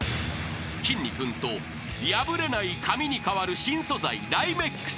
［きんに君と破れない紙に代わる新素材ライメックス］